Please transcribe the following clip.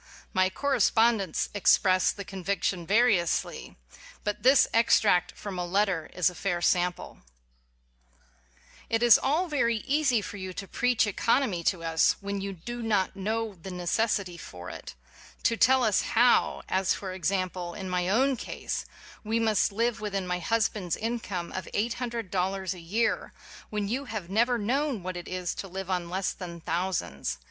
My correspondents express the conviction variously, but this extract from a letter is a fair sample : ŌĆö 3 WHY I BELIEVE IN POVERTY It is all very easy for you to preach economy to us when you do not know the necessity for it : to tell us how, as for example in my own case, we must live within my husband's income of eight hundred dollars a year, when you have never known what it is to live on less than thousands.